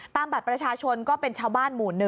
บัตรประชาชนก็เป็นชาวบ้านหมู่๑